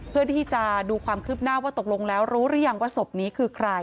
เพื่อที่จะดูความคืบหน้าว่าตกลงแล้วรู้หรือยังว่าศพนี้คือใคร